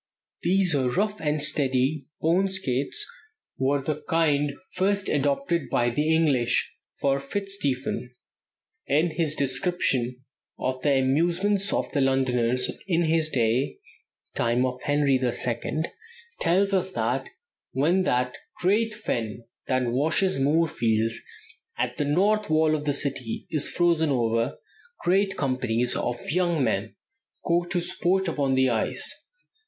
These rough and ready bone skates were the kind first adopted by the English; for Fitzstephen, in his description of the amusements of the Londoners in his day (time of Henry the Second), tells us that "when that great fen that washes Moorfields at the north wall of the city is frozen over, great companies of young men go to sport upon the ice.